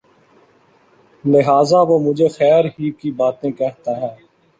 لہٰذا وہ مجھے خیر ہی کی باتیں کہتا ہے